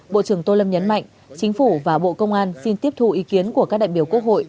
bộ trưởng tô lâm nhấn mạnh chính phủ và bộ công an xin tiếp thu ý kiến của các đại biểu quốc hội